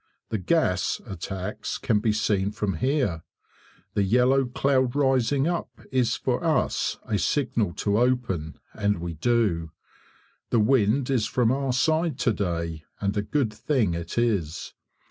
The "gas" attacks can be seen from here. The yellow cloud rising up is for us a signal to open, and we do. The wind is from our side to day, and a good thing it is.